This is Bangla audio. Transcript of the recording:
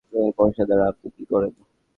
এ বর্শা দ্বারা আপনি কি করেন?